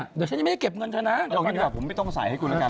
เดี๋ยวฉันหนาช่วงนี้ดีกว่าผมไม่ทงใส่ให้คุณแล้วกัน